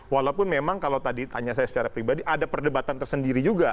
walaupun memang kalau tadi tanya saya secara pribadi ada perdebatan tersendiri juga